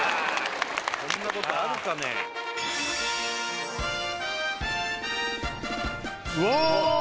こんなことあるかねうわ